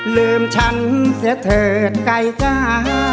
ลืมฉันเสียเถิดไกลจ้า